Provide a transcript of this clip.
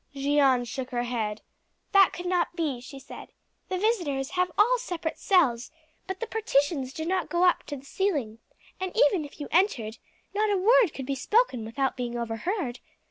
Jeanne shook her head. "That could not be," she said. "The visitors have all separate cells, but the partitions do not go up to the ceiling; and even if you entered, not a word could be spoken without being overheard.